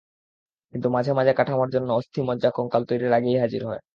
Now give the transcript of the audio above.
কিন্তু মাঝে মাঝে কাঠামোর জন্য অস্থি, মজ্জা, কঙ্কাল তৈরির আগেই হাজির হয়।